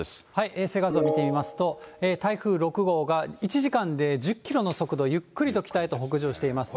衛星画像見てみますと、台風６号が１時間で１０キロの速度、ゆっくりと北へと北上していますね。